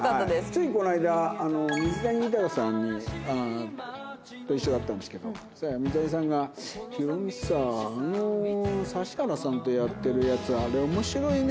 ついこの間水谷豊さんにご一緒だったんですけど水谷さんが「ヒロミさんあの指原さんとやってるやつあれ面白いね」。